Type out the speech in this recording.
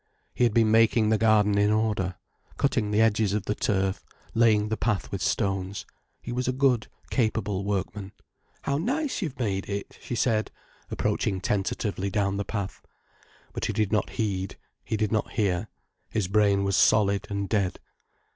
He had been making the garden in order, cutting the edges of the turf, laying the path with stones. He was a good, capable workman. "How nice you've made it," she said, approaching tentatively down the path. But he did not heed, he did not hear. His brain was solid and dead.